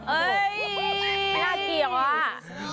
เฮ้ยไม่ได้เกี่ยวว่ะ